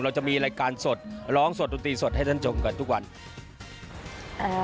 เราจะมีรายการสดร้องสดดนตรีสดให้ท่านชมกันทุกวัน